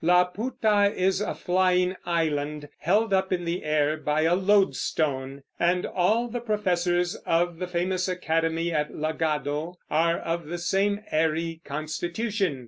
Laputa is a flying island, held up in the air by a loadstone; and all the professors of the famous academy at Lagado are of the same airy constitution.